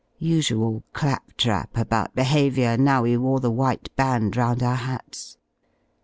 Usual clap J trap about behaviour now we wore the white band round our hats.